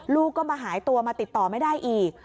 ลูกก็มาหายตัวมาติดต่อไม่ได้อีก